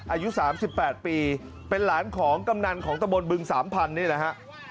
อายุสามสิบแปดปีเป็นหลานของกำนันของตะบนบึงสามพันธุ์นี่แหละฮะ